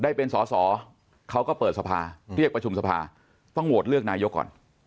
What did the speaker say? ได้เป็นสอสอเขาก็เปิดสภาเรียกประชุมสภาต้องโหวตเลือกนายกก่อน